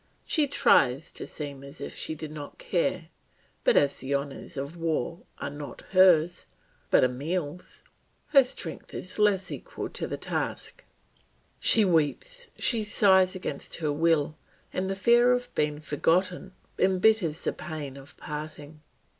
She tries to seem as if she did not care, but as the honours of war are not hers, but Emile's, her strength is less equal to the task. She weeps, she sighs against her will, and the fear of being forgotten embitters the pain of parting.